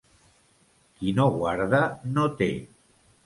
Qui no guarda, no té.